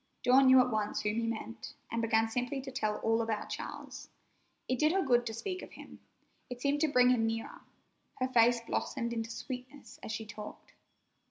Dawn knew at once whom he meant, and began simply to tell all about Charles. It did her good to speak of him. It seemed to bring him nearer. Her face blossomed into sweetness as she talked.